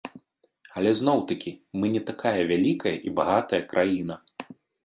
Але зноў-такі, мы не такая вялікая і багатая краіна.